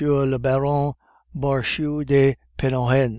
le Baron Barchou de Penhoen.